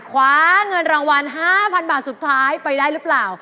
คว้าเงินรางวัล๕๐๐๐บาทสุดท้ายไปได้หรือเปล่า